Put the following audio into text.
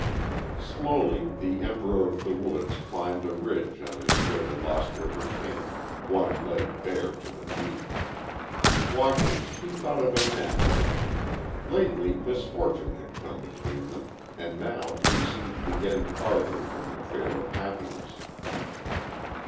Slowly the "Emperor of the Woods" climbed a ridge on his way to Lost River camp, one leg bare to the knee. Walking, he thought of Annette. Lately misfortune had come between them, and now he seemed to be getting farther from the trail of happiness.